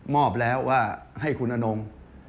อบแล้วว่าให้คุณอนง